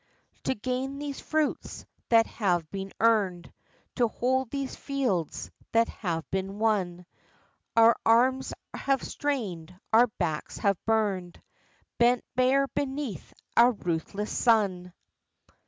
To gain these fruits that have been earned, To hold these fields that have been won, Our arms have strained, our backs have burned, Bent bare beneath a ruthless sun.